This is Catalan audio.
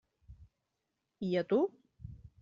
I a tu?